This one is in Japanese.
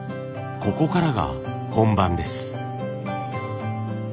ここからが本番です。